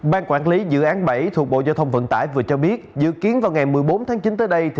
ban quản lý dự án bảy thuộc bộ giao thông vận tải vừa cho biết dự kiến vào ngày một mươi bốn tháng chín tới đây